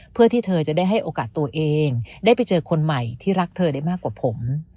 เพื่อที่เธอจะได้ให้โอกาสตัวเองได้ไปเจอคนใหม่ที่รักเธอได้มากกว่าผม